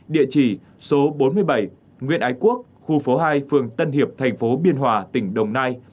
địa chỉ số bốn mươi bảy nguyễn ái quốc khu phố hai phường tân hiệp thành phố biên hòa tỉnh đồng nai